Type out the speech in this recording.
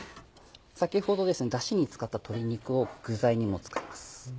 先ほどダシに使った鶏肉を具材にも使います。